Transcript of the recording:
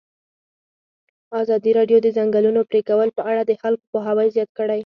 ازادي راډیو د د ځنګلونو پرېکول په اړه د خلکو پوهاوی زیات کړی.